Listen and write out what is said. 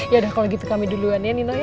yaudah kalau gitu kami duluan ya nino